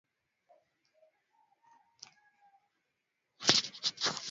Miongoni mwa Wilaya zilizoundwa ni pamoja na wilaya za mashariki Mara na kusini Mara